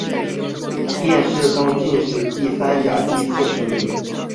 殿试登进士第三甲第四十名。